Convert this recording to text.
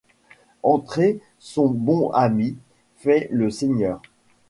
Entrez, mon bon amy, feit le seigneur.